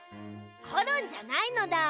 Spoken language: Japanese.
コロンじゃないのだ。